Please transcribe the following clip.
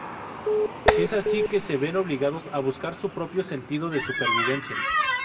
Es así que se ven obligados a buscar su propio sentido de supervivencia.